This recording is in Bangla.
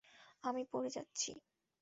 আমি পড়ে যাচ্ছি!